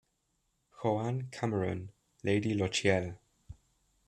Joan Cameron, Lady Lochiel.